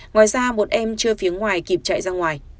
ngoài ra một em chưa phía ngoài kịp chạy ra ngoài